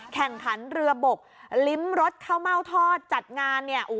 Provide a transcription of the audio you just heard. แข่งขันเรือบกลิ้มรสข้าวเม่าทอดจัดงานเนี่ย